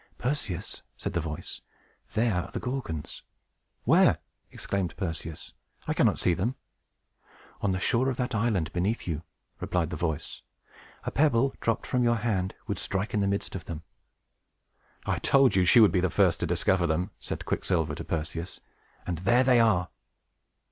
"Perseus," said the voice, "there are the Gorgons." "Where?" exclaimed Perseus. "I cannot see them." "On the shore of that island beneath you," replied the voice. "A pebble, dropped from your hand, would strike in the midst of them." "I told you she would be the first to discover them," said Quicksilver to Perseus. "And there they are!"